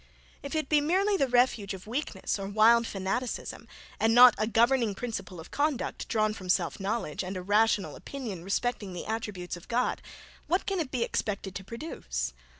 If it be merely the refuge of weakness or wild fanaticism, and not a governing principle of conduct, drawn from self knowledge, and a rational opinion respecting the attributes of God, what can it be expected to produce?